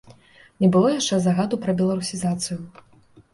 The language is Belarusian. Не было яшчэ загаду пра беларусізацыю.